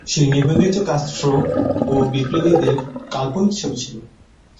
সেই নিবন্ধে কাস্ত্রো ও বিপ্লবীদের কাল্পনিক ছবি ছিল।